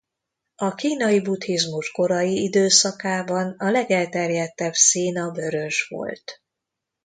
A kínai buddhizmus korai időszakában a legelterjedtebb szín a vörös volt.